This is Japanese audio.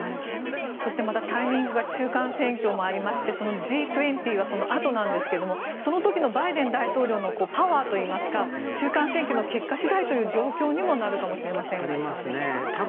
そしてタイミングが中間選挙もありましてＧ２０はそのあとなんですがその時のバイデン大統領のパワーといいますか中間選挙の結果次第という状況にもなるかもしれませんがいかがでしょうか。